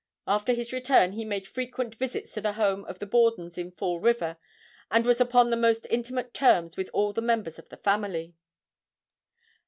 After his return he made frequent visits to the home of the Bordens in Fall River and was upon the most intimate terms with all the members of the family.